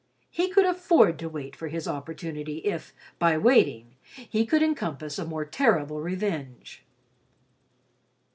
He could afford to wait for his opportunity if, by waiting, he could encompass a more terrible revenge.